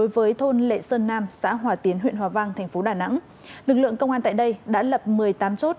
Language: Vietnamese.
với thôn lệ sơn nam xã hòa tiến huyện hòa vang thành phố đà nẵng lực lượng công an tại đây đã lập một mươi tám chốt